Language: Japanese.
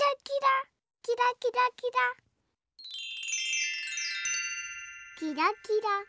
キラキラ。